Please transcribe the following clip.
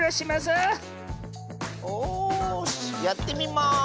よしやってみます。